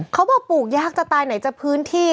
เขาบอกปลูกยากจะตายไหนจากพื้นที่